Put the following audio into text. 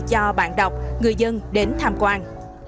cho bạn đọc người dân đến tham quan